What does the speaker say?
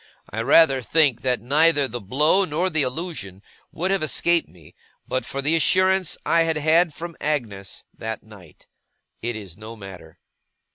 I rather think that neither the blow, nor the allusion, would have escaped me, but for the assurance I had had from Agnes that night. It is no matter.